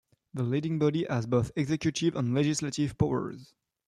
The Leading Body has both executive and legislative powers.